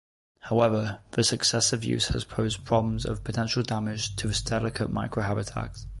However, this excessive use has posed problems of potential damage to this delicate microhabitat.